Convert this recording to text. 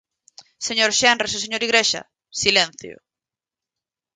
Señor Senras e señor Igrexa, silencio.